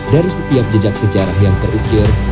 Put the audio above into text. dari setiap jejak sejarah yang terukir